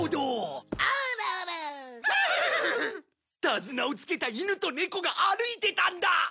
手綱を付けたイヌとネコが歩いてたんだ。